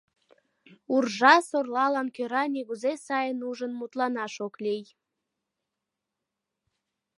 Уржа-сорлалан кӧра нигузе сайын ужын мутланаш ок лий.